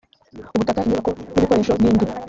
ubutaka inyubako n ibikoresho n indi